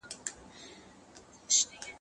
هر څوک د خپلي لمني اور وژني.